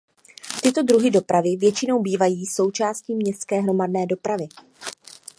Tyto druhy dopravy většinou bývají součástí městské hromadné dopravy.